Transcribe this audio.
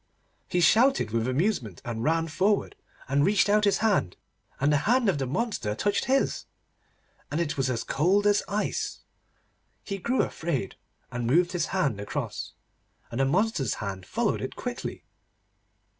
He shouted with amusement, and ran forward, and reached out his hand, and the hand of the monster touched his, and it was as cold as ice. He grew afraid, and moved his hand across, and the monster's hand followed it quickly.